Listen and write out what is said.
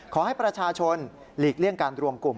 ขอให้ประชาชนหลีกเลี่ยงการรวมกลุ่ม